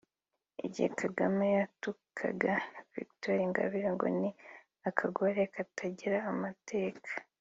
Igihe Kagame yatukaga Victoire Ingabire ngo ni akagore katagira amateka